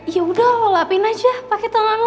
yaudah lo lapin aja pake tangan lo